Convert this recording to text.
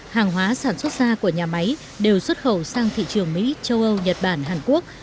hàng hóa sản xuất xa của nhà máy đều xuất khẩu sang thị trường mỹ châu âu nhật bản hàn quốc